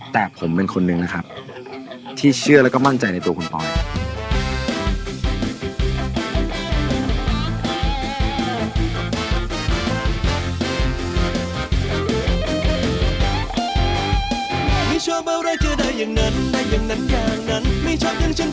แต่ผมเป็นคนหนึ่งนะครับที่เชื่อแล้วก็มั่นใจในตัวคุณปอย